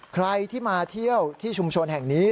ใครที่มาเที่ยวที่ชุมชนแห่งนี้